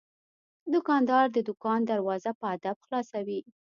دوکاندار د دوکان دروازه په ادب خلاصوي.